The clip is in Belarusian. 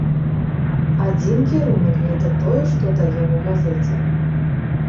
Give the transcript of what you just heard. Адзін кірунак гэта тое, што даем у газеце.